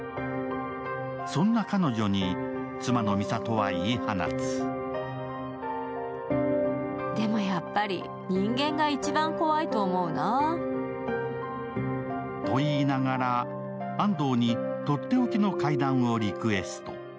そんな彼女に、妻の美里は言い放つと言いながら、安藤にとっておきの怪談をリクエスト。